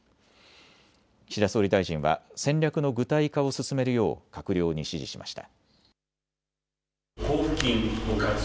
岸田総理大臣は戦略の具体化を進めるよう閣僚に指示しました。